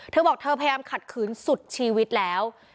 เธอบอกเธอพยายามขัดขืนสุดชีวิตแล้ว